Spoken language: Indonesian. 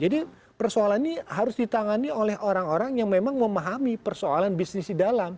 jadi persoalan ini harus ditangani oleh orang orang yang memang memahami persoalan bisnis di dalam